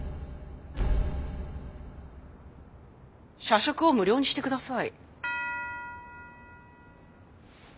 社食を無料にして下さい。